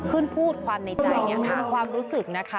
พูดความในใจความรู้สึกนะคะ